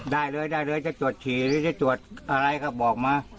ได้เลยได้เลยจะจวดเฉียนหรือจะจวดอะไรครับบอกมา